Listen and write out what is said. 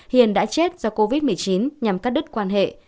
hiền đã chết do covid một mươi chín nhằm cắt đứt quan hệ